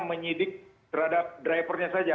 menyidik terhadap drivernya saja